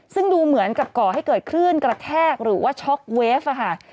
ซึ่งดูเหมือนกับก่อให้เกิดคลื่นกระแทกหรือว่าช็อกเวฟค่ะ